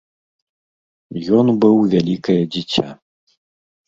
Ён быў вялікае дзіця.